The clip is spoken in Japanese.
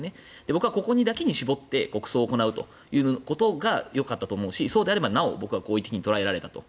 僕はここだけに絞って国葬を行うというのがよかったと思いますしそうであればなお僕は好意的に捉えられたと。